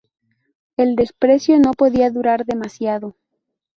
El desprecio no podía durar demasiado.